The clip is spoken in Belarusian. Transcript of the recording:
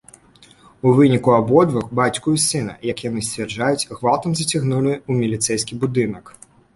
У выніку абодвух бацьку і сына, як яны сцвярджаюць, гвалтам зацягнулі ў міліцэйскі будынак.